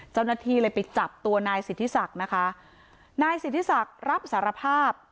เจ้าหน้าที่เลยไปจับตัวนายสิทธิศักดิ์นะคะนายสิทธิศักดิ์รับสารภาพ